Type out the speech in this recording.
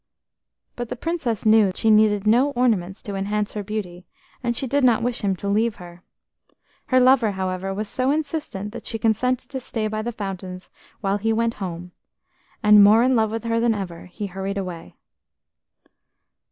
But the Princess knew that she needed no ornaments to enhance her beauty, and she did not wish him to leave her. Her lover, however, was so insistent that she consented to stay by the fountains while he went home, and, more in love with her than ever, he hurried away.